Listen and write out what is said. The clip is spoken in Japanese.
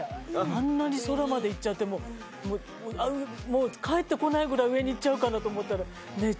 あんなに空までいっちゃうってもうもう帰ってこないぐらい上にいっちゃうかなと思ったらねえ